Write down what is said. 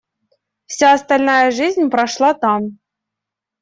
Вся остальная жизнь прошла там.